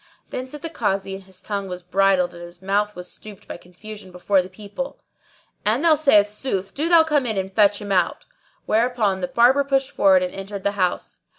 Then said the Kazi (and his tongue was bridled and his mouth was stopped by confusion before the people), "An thou say sooth, do thou come in and fetch him out." Whereupon the Barber pushed forward and entered the house.